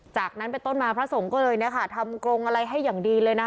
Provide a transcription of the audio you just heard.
จากนั้นเป็นต้นมาพระสงฆ์ก็เลยทำกรงอะไรให้อย่างดีเลยนะ